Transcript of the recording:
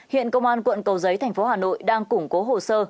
hiện công an quận cầu giấy tp hà nội đang củng cố hồ sơ